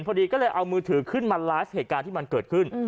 พอดีเอามือถือเข้ามาไลฟ์ส์เหตุการณ์ที่มันเกิดขึ้น